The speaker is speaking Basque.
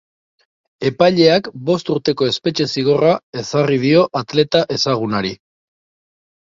Epaileak bost urteko espetxe-zigorra ezarri dio atleta ezagunari.